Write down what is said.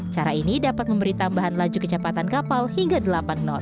cara ini dapat memberi tambahan laju kecepatan kapal hingga delapan knot